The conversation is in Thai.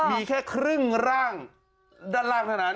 มีแค่ครึ่งร่างด้านล่างเท่านั้น